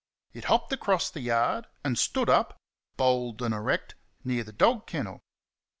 It hopped across the yard and sat up, bold and erect, near the dog kennel.